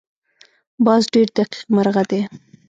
باز ډېر دقیق مرغه دی